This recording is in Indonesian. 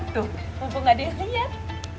tuh mumpung gak ada yang siap